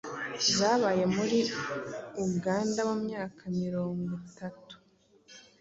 zabaye muri Uganda mu myaka mirongwitatu